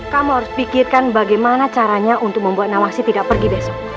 kamu harus pikirkan bagaimana caranya untuk membuat nawasi tidak pergi besok